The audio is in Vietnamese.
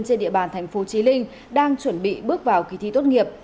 trên địa bàn thành phố trí linh đang chuẩn bị bước vào kỳ thi tốt nghiệp